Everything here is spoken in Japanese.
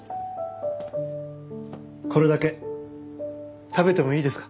これだけ食べてもいいですか？